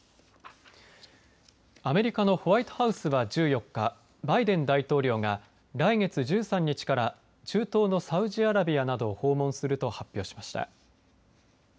アメリカのホワイトハウスは１４日バイデン大統領が来月１３日から中東のサウジアラビアなどを訪問すると発表しました。